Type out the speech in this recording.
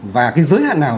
và cái giới hạn nào